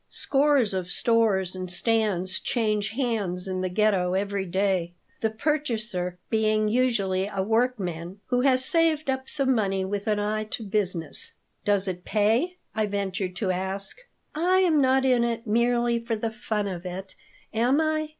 Scores of stores and stands change hands in the Ghetto every day, the purchaser being usually a workman who has saved up some money with an eye to business "Does it pay?" I ventured to ask. "I am not in it merely for the fun of it, am I?"